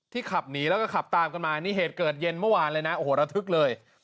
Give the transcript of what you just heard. ขับหนีแล้วก็ขับตามกันมานี่เหตุเกิดเย็นเมื่อวานเลยนะโอ้โหระทึกเลย